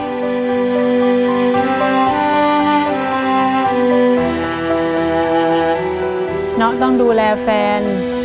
หนูต้องดูแลแฟน